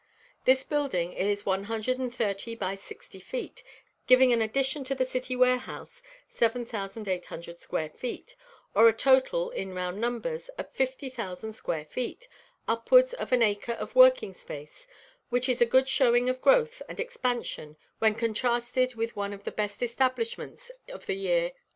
This building is one hundred and thirty by sixty feet, giving in addition to the city warehouse 7800 square feet, or a total in round numbers of 50,000 square feet, upwards of an acre of working space, which is a good showing of growth and expansion when contrasted with one of the best establishments of the year 1814.